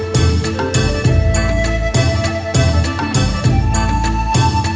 โชว์สี่ภาคจากอัลคาซ่าครับ